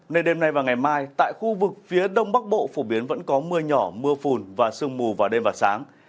nên đêm nay và ngày mai tại khu vực phía đông bắc bộ phổ biến vẫn có mưa nhỏ mưa phùn và sương mù vào đêm và sáng